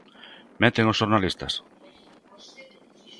¿Menten os xornalistas?